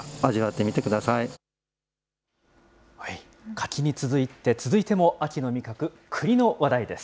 柿に続いて続いても秋の味覚、くりの話題です。